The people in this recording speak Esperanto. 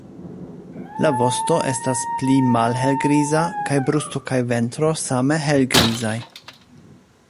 La vosto estas pli malhelgriza kaj brusto kaj ventro same helgrizaj.